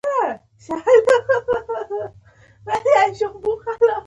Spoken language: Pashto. پریکړي باید سمي او عادلانه يي.